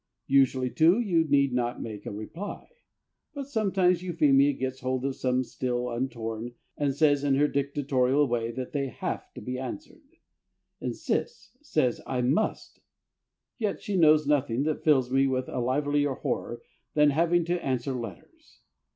Usually, too, you need not make a reply. But sometimes Euphemia gets hold of some still untorn, and says in her dictatorial way that they have to be answered insists says I must. Yet she knows that nothing fills me with a livelier horror than having to answer letters.